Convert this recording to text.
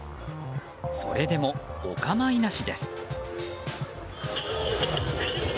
それでも、お構いなしです。